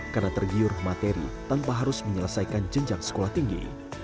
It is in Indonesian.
karena tergiur materi tanpa harus menyelesaikan jenjang sekolah tinggi